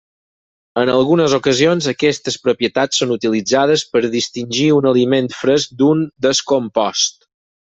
En algunes ocasions aquestes propietats són utilitzades per distingir un aliment fresc d'un descompost.